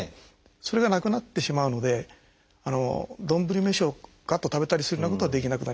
それがなくなってしまうので丼飯をがっと食べたりするようなことはできなくなります。